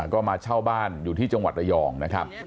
ก็มาเช่าบ้านอยู่ที่จังหวัดระยองนะครับ